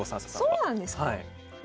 あそうなんですか。